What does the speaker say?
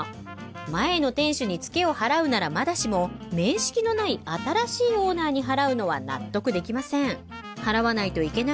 前の店主にツケを払うならまだしも面識のない新しいオーナーに払うのは納得できません